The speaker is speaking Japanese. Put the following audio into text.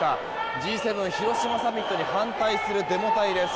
Ｇ７広島サミットに反対するデモ隊です。